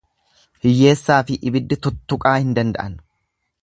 Hiyyeessaafi ibiddi tuttuqaa hin danda'an.